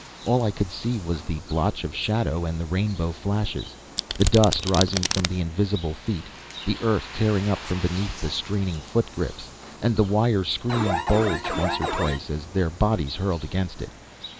All I could see was the blotch of shadow and the rainbow flashes, the dust rising from the invisible feet, the earth tearing up from beneath the straining foot grips, and the wire screen bulge once or twice as their bodies hurled against it.